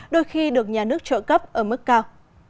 đôi khi được nhà nước trợ cấp ở mức cao